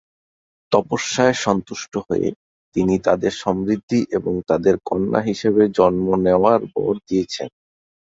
তপস্যায় সন্তুষ্ট হয়ে, তিনি তাদের সমৃদ্ধি এবং তাদের কন্যা হিসাবে জন্ম নেওয়ার বর দিয়েছেন।